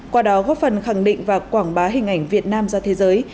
qua đó góp phần khẳng định và quảng bá hình ảnh việt nam ra thế giới